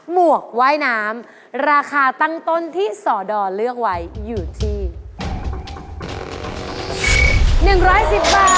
หวกว่ายน้ำราคาตั้งต้นที่สอดอเลือกไว้อยู่ที่๑๑๐บาท